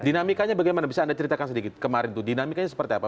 dinamikanya bagaimana bisa anda ceritakan sedikit kemarin itu dinamikanya seperti apa